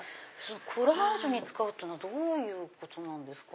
コラージュに使うっていうのはどういうことなんですか？